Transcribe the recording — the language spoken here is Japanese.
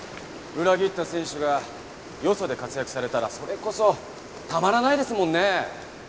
裏切った選手がよそで活躍されたらそれこそたまらないですもんねえ。